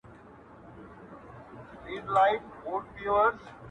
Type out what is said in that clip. نه چي دا سپرلی دي بې وخته خزان سي-